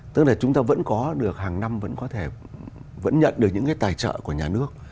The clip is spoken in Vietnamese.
tức là chúng ta vẫn có được hàng năm vẫn có thể vẫn nhận được những cái tài trợ của nhà nước